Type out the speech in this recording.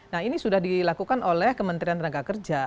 nah ini sudah dilakukan oleh kementerian tenaga kerja